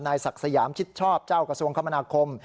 ศักดิ์สยามชิดชอบเจ้ากระทรวงคมนาคม